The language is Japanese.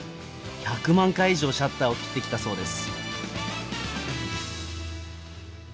百万回以上シャッターを切ってきたそうです。